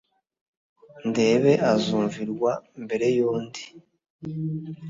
ndebe uzumvirwa mbere y'undi